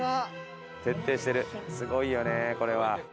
すごいよねこれは。